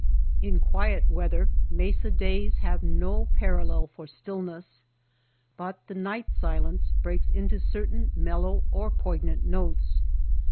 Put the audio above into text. In quiet weather mesa days have no parallel for stillness, but the night silence breaks into certain mellow or poignant notes.